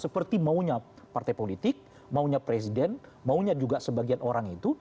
seperti maunya partai politik maunya presiden maunya juga sebagian orang itu